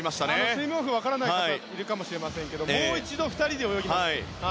スイムオフ分からない方いるかもしれませんがもう一度２人で泳ぎます。